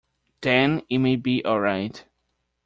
Then it may be all right.